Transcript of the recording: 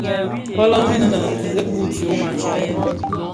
Fölömin innë irèmi wu tyoma nshiaghèn.